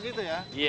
oh gitu ya